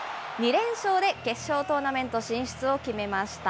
２連勝で決勝トーナメント進出を決めました。